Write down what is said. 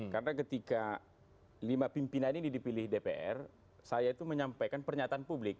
karena ketika lima pimpinan ini dipilih dpr saya itu menyampaikan pernyataan publik